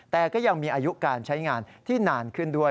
แต่ก็ยังมีอายุการใช้งานที่นานขึ้นด้วย